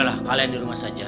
udah lah kalian dirumah saja